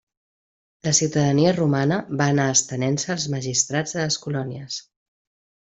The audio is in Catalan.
La ciutadania romana va anar estenent-se als magistrats de les colònies.